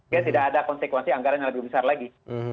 jadi tidak ada konsekuensi anggaran yang lebih besar lagi